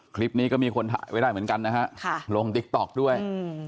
คลิปนี้ก็มีคนถ่ายไว้ได้เหมือนกันนะฮะลงติ๊กต๊อกด้วย